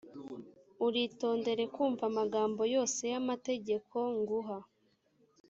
uritondere kumva amagambo yose y’amategeko nguha,